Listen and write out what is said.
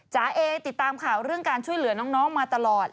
เอติดตามข่าวเรื่องการช่วยเหลือน้องมาตลอด